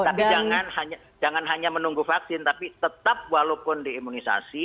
tapi jangan hanya menunggu vaksin tapi tetap walaupun diimunisasi